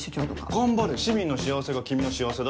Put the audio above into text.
頑張れ市民の幸せが君の幸せだ。